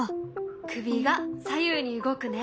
首が左右に動くね。